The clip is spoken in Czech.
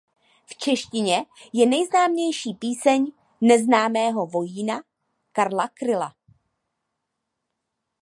V češtině je nejznámější "Píseň Neznámého vojína" Karla Kryla.